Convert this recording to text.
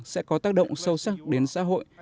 sẽ có tác động sâu sắc đến xã hội